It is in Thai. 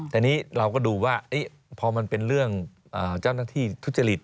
แต่นี้เราก็ดูว่าพอมันเป็นเรื่องเจ้าหน้าที่ทุจริต